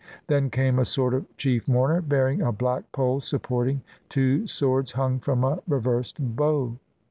Then came a sort of chief mourner, bearing a black pole supporting two swords hung from a reversed bow.